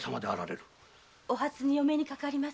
お初にお目にかかります。